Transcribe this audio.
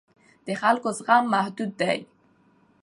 د خلکو زغم محدود دی